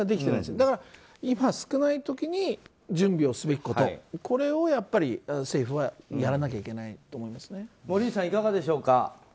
だから、今、少ない時に準備をすべきことこれをやっぱり政府は森内さん、いかがでしょうか？